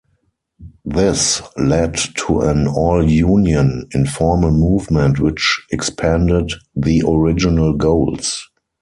This led to an all-Union informal movement which expanded the original goals.